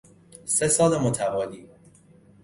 سه سال متوالی